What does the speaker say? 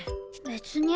別に。